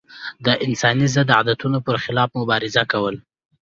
د انساني ضد عادتونو پر خلاف مبارزه کول.